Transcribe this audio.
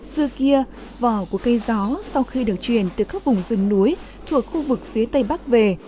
xưa kia vỏ của cây gió sau khi được truyền từ các vùng rừng núi thuộc khu vực phía tây bắc về